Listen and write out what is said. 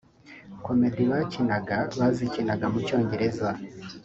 Comedy bakinaga bazikinaga mu cyongereza